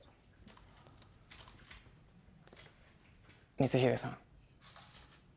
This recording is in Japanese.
光秀さん